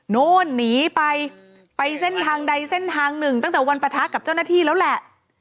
โน้นหนีไปไปเส้นทางใดเส้นทางหนึ่งตั้งแต่วันปะทะกับเจ้าหน้าที่แล้วแหละ